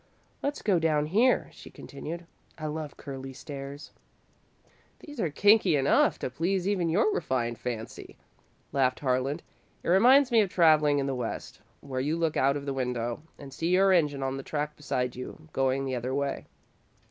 "Let's go down here," she continued. "I love curly stairs." "These are kinky enough to please even your refined fancy," laughed Harlan. "It reminds me of travelling in the West, where you look out of the window and see your engine on the track beside you, going the other way."